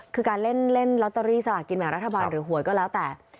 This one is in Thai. คือการเล่นลอตเตอรี่สลากินแบ่งรัฐบาลหรือหวยก็แล้วแต่